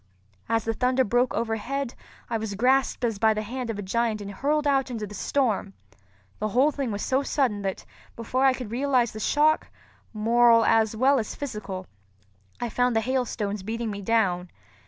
As the thunder broke overhead, I was grasped as by the hand of a giant and hurled out into the storm. The whole thing was so sudden that, before I could realize the shock, moral as well as physical, I found the hailstones beating me down.